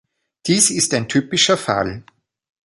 Dies ist ein typischer Fall.